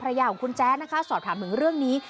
ยาของคุณแจ๊ดนะคะสอบถามถึงเรื่องนี้